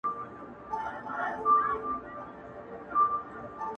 اې گوره تاته وايم!